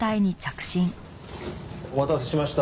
お待たせしました。